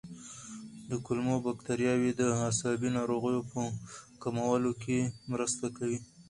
کولمو بکتریاوې د عصبي ناروغیو په کمولو کې مرسته کوي.